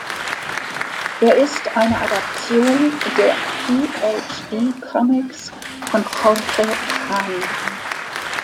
Er ist eine Adaption der PhD Comics von Jorge Cham.